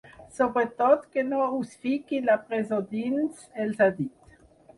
Sobretot que no us fiquin la presó dins, els ha dit.